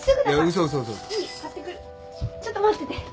ちょっと待ってて。